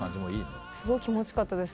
すごい気持ちかったです